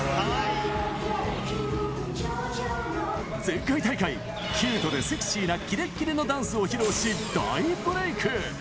前回大会、キュートでセクシーなキレッキレのダンスを披露し、大ブレーク。